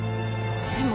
でも。